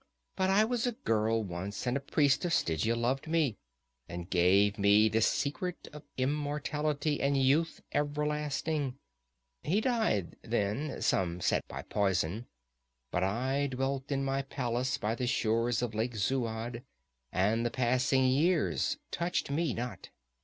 But I was a girl once, and a priest of Stygia loved me, and gave me the secret of immortality and youth everlasting. He died, then some said by poison. But I dwelt in my palace by the shores of Lake Zuad and the passing years touched me not.